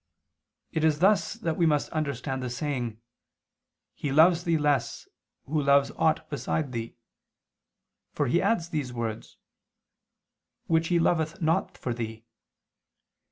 It is thus that we must understand the saying: "He loves Thee less, who loves aught beside Thee," for he adds these words, "which he loveth not for Thee."